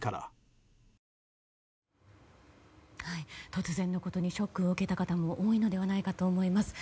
突然のことでショックを受けた方も多いのではないかと思います。